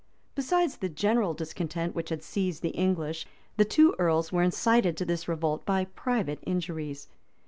Besides the general discontent which had seized the English, the two earls were incited to this revolt by private injuries.